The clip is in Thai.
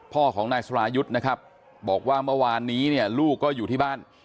พ่อของนายสรายุทธ์นะครับบอกว่าเมื่อวานนี้เนี่ยลูกก็อยู่ที่บ้าน